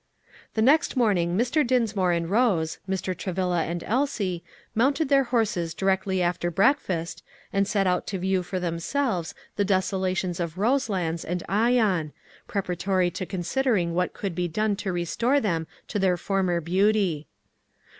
The next morning Mr. Dinsmore and Rose, Mr. Travilla and Elsie, mounted their horses directly after breakfast, and set out to view for themselves the desolations of Roselands and Ion, preparatory to considering what could be done to restore them to their former beauty.